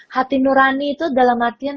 hati nurani itu dalam artian